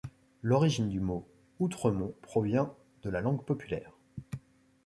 L'origine du nom Outremont provient de la langue populaire.